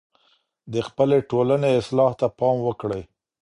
د خپلې ټولني اصلاح ته پام وکړئ.